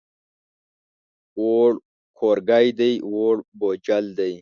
ووړ کورګی دی، ووړ بوجل دی.